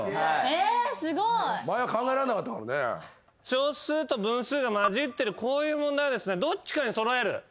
小数と分数が交じってるこういう問題はどっちかに揃える。